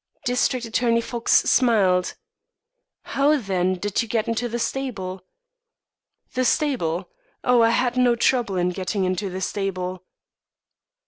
District Attorney Fox smiled. "How then did you get into the stable?" "The stable! Oh, I had no trouble in getting into the stable."